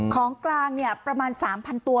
ของกลางประมาณ๓๐๐ตัว